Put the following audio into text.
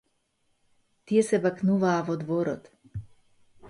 Тие се бакнуваа во дворот.